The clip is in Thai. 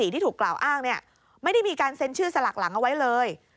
ที่ถูกกล่าวอ้างไม่ได้มีการเซ็นชื่อสลักหลังเอาไว้เลย